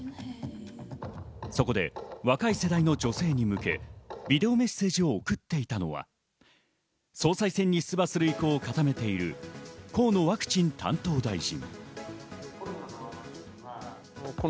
そこで若い世代の女性に向け、ビデオメッセージを送っていたのは総裁選に出馬する意向を固めている河野ワクチン担当大臣。